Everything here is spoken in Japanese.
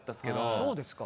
そうですか。